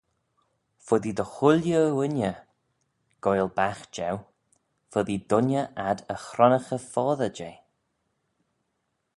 "Foddee dy chooilley ghooinney goaill baght jeu; foddee dooinney ad y chronnaghey foddey jeh."